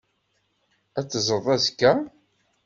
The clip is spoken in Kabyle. Ad t-teẓreḍ azekka.